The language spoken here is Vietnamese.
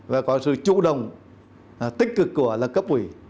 và có sự chủ động tích cực của cấp ủy